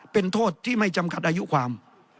เป็นโทษที่ไม่จำขัดอายุความ